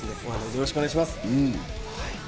よろしくお願いします。